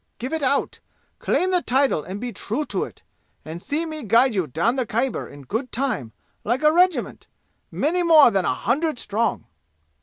Give it out! Claim the title and be true to it and see me guide you down the Khyber in good time like a regiment, many more than a hundred strong!"